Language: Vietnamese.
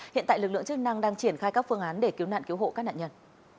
hiện tại lực lượng chức năng đang triển khai các phương án để cứu nạn cứu hộ các nạn nhân